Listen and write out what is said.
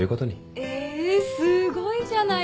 えすごいじゃないですか。